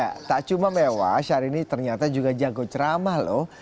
ya tak cuma mewah syahrini ternyata juga jago ceramah loh